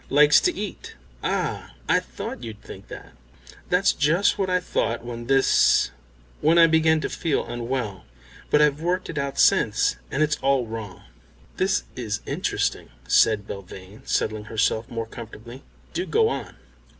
"Likes to eat." "Ah, I thought you'd think that. That's just what I thought when this when I began to feel unwell. But I've worked it out since, and it's all wrong." "This is interesting," said Belvane, settling herself more comfortably. "Do go on."